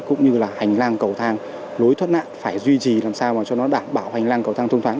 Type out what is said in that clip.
cũng như là hành lang cầu thang lối thoát nạn phải duy trì làm sao mà cho nó đảm bảo hành lang cầu thang thông thoáng